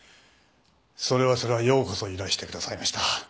それはそれはようこそいらしてくださいました。